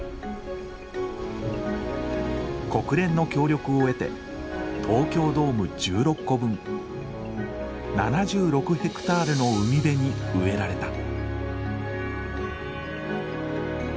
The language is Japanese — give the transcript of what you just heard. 国連の協力を得て東京ドーム１６個分７６ヘクタールの海辺に植えられた。